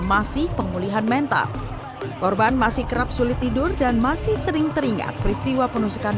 masih pemulihan mental korban masih kerap sulit tidur dan masih sering teringat peristiwa penusukan